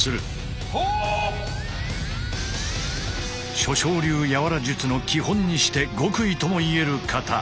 諸賞流和術の基本にして極意ともいえる型。